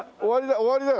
終わりだよ。